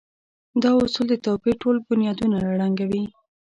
دا اصول د توپير ټول بنيادونه ړنګوي.